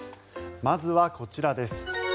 まずはこちらです。